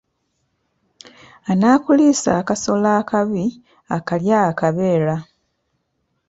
Anaakuliisa akasolo akabi, akalya akabeera.